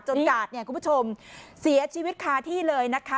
กาดเนี่ยคุณผู้ชมเสียชีวิตคาที่เลยนะคะ